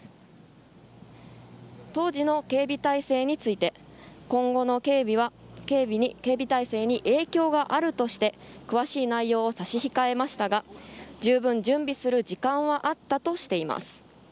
当時の警備態勢について今後の警備態勢に影響があるとして詳しい内容は差し控えましたがじゅうぶん準備する時間はあったとしています。